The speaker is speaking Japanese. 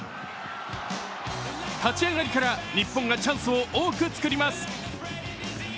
立ち上がりから日本がチャンスを多く作ります。